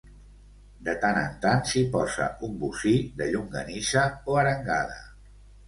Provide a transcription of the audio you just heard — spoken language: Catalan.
de tant en tant s'hi posa un bocí de llonganissa o arengada